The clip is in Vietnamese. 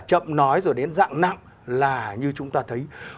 chậm nói rồi đến dạng nặng là như chúng ta thấy